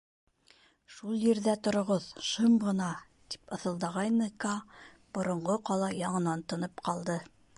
Шул ерҙә тороғоҙ, шым ғына... — тип ыҫылдағайны Каа, боронғо ҡала яңынан тынып ҡалды.